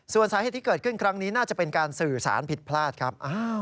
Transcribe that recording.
ส่วนสาเหตุที่เกิดขึ้นครั้งนี้น่าจะเป็นการสื่อสารผิดพลาดครับ